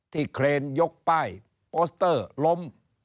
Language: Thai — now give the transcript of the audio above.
เครนยกป้ายโปสเตอร์ล้ม